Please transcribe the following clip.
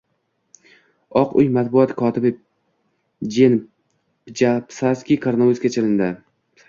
Oq uy matbuot kotibi Jen Psaki koronavirusga chalindi